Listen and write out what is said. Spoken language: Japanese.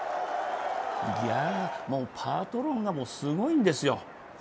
もうパトロンがすごいんですよ。